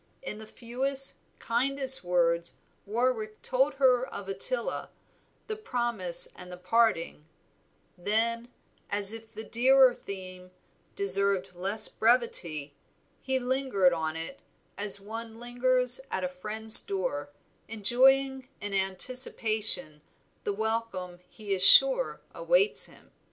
In the fewest, kindest words Warwick told her of Ottila, the promise and the parting; then, as if the dearer theme deserved less brevity, he lingered on it as one lingers at a friend's door, enjoying in anticipation the welcome he is sure awaits him.